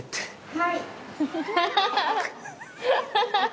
はい。